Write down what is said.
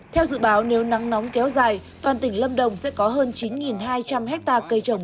theo dự báo nếu nắng nóng kéo dài toàn tỉnh lâm đồng sẽ có hơn chín hai trăm linh hectare cây trồng